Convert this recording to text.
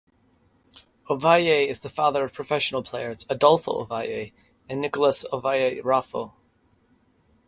Ovalle is the father of professional players Adolfo Ovalle and Nicolas Ovalle Raffo.